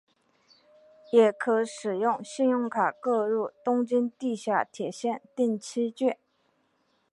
也可使用信用卡购入东京地下铁线定期券。